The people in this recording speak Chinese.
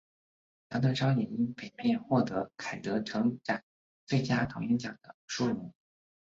杨德昌也因本片获得坎城影展最佳导演奖的殊荣。